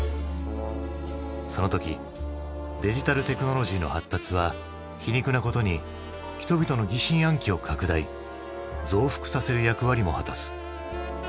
その時デジタルテクノロジーの発達は皮肉なことに人々の疑心暗鬼を拡大増幅させる役割も果たす。